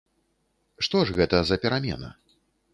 Што ж гэта за перамена?